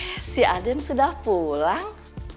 eh si adin sudah pulang